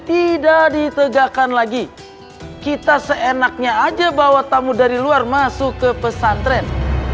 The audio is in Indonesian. tidak ditegakkan lagi kita seenaknya aja bawa tamu dari luar masuk ke pesantren